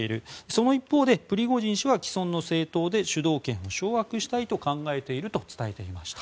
その一方でプリゴジン氏は既存の政党で主導権を掌握したいと考えていると伝えていました。